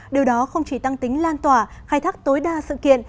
điều đó không chỉ tăng tính lan tỏa khai thác tối đa sự kiện